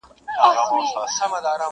• انسان لا هم زده کوي,